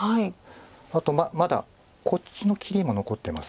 あとまだこっちの切りも残ってます。